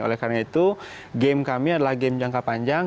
oleh karena itu game kami adalah game jangka panjang